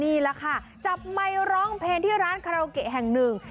นี่แหละค่ะจับไมค์ร้องเพลงที่ร้านคาราโอเกะแห่งหนึ่ง